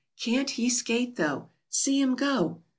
"Can't he skate, though!" "See him go."